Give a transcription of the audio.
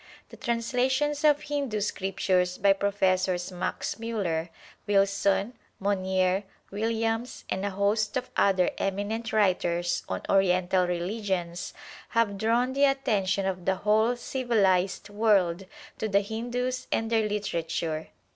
The translations of Hindu Scriptures by Professors Max Miiller, Wilson, Monier Williams, and a host of other eminent writers on Oriental religions have drawn the attention of the whole civilized world to the Hindus and their literature.